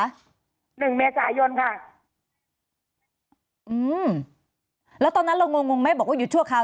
หนึ่งเมษายนค่ะอืมแล้วตอนนั้นเรางงงงไหมบอกว่าหยุดชั่วคราว